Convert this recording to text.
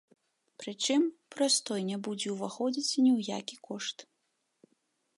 Прычым, прастой не будзе ўваходзіць ні ў які кошт.